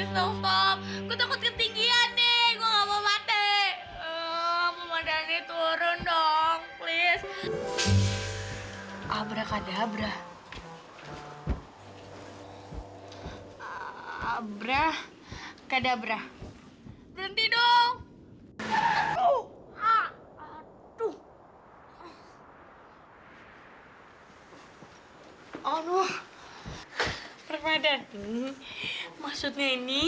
sampai jumpa di video selanjutnya